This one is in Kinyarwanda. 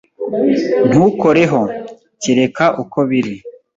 Ntukoreho. Kureka uko biri.